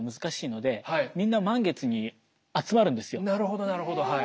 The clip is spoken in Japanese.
なるほどなるほどはい。